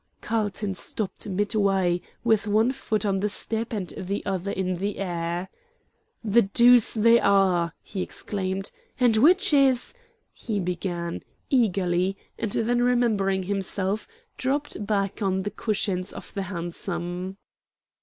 Carlton stopped midway, with one foot on the step and the other in the air. "The deuce they are!" he exclaimed; "and which is " he began, eagerly, and then remembering himself, dropped back on the cushions of the hansom.